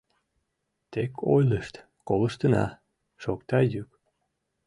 — Тек ойлышт, колыштына! — шокта йӱк.